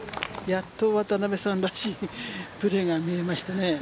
やっと渡邉さんらしいプレーが見れましたね。